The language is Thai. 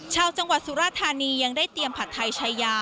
ชาวจังหวัดสุราธานียังได้เตรียมผัดไทยชายา